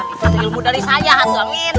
itu ilmu dari saya hantu amin